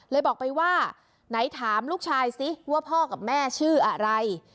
บอกไปว่าไหนถามลูกชายสิว่าพ่อกับแม่ชื่ออะไร